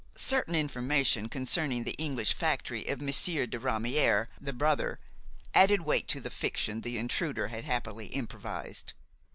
Certain information concerning the English factory of Monsieur de Ramière, the brother, added weight to the fiction the intruder had happily improvised.